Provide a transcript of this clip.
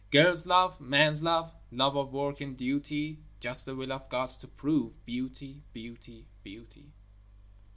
Girl's love, man's love, Love of work and duty, Just a will of God's to prove Beauty, beauty, beauty!